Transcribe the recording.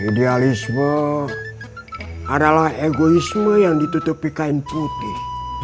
idealisme adalah egoisme yang ditutupi kain putih